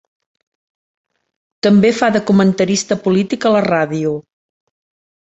També fa de comentarista polític a la ràdio.